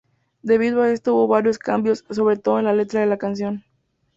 Debido a esto hubo varios cambios, sobre todo en la letra de la canción.